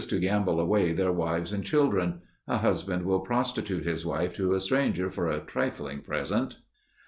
to gamble away their wives and children.... A husband will prostitute his wife to a stranger for a trifling present."